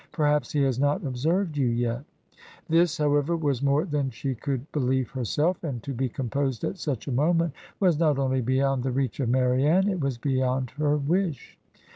Perhaps he has not observed you yet.' This, however, was more than she could believe herself, and to be composed at such a moment was not only beyond the reach of Marianne, it was beyond her wish.